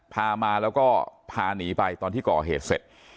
พามาแล้วก็พาหนีไปตอนที่ก่อเหตุเสร็จ